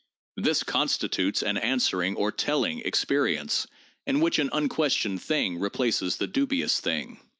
This con stitutes an answering or 'telling' experience in which an unques tioned thing replaces the dubious thing.